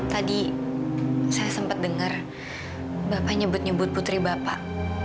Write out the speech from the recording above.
tadi saya sempat dengar bapak nyebut nyebut putri bapak